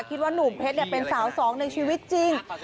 คิดว่านุ่มเพชรเนี่ยเป็นสาวสองในชีวิตจริง